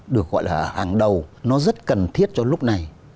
được gọi là hàng đầu nó rất cần thiết cho lúc này